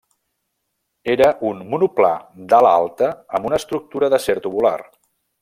Era un monoplà d'ala alta amb una estructura d'acer tubular.